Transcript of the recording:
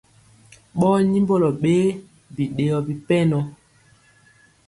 Ɓɔɔ nyimbɔlɔ ɓee biɗeyɔ bipɛnɔ.